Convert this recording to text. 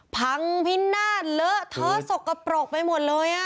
พังพินาศเลอะเทอะสกปรกไปหมดเลย